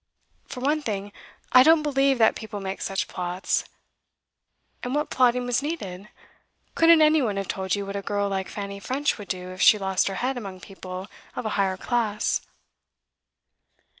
For one thing, I don't believe that people make such plots. And what plotting was needed? Couldn't any one have told you what a girl like Fanny French would do if she lost her head among people of a higher class?